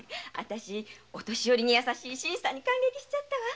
私優しい新さんに感激しちゃったわ。